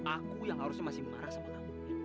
aku yang harusnya masih parah sama kamu